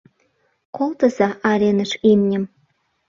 Колтыза Ареныш имньым.